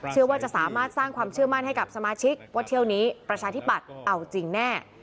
เชื่อว่าจะสามารถสร้างความเชื่อมั่นให้กับสมาชิกว่าเที่ยวนี้ประชาธิปัตย์เอาจริงแน่